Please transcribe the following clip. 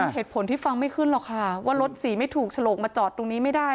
เหตุผลที่ฟังไม่ขึ้นหรอกค่ะว่ารถสีไม่ถูกฉลกมาจอดตรงนี้ไม่ได้